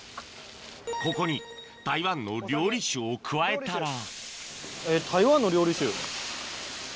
ここに台湾の料理酒を加えたら台湾の料理酒。